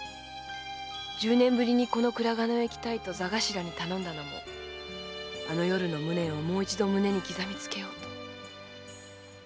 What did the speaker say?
十年ぶりにこの倉賀野へ来たいと座頭に頼んだのもあの夜の無念をもう一度胸に刻みつけようと。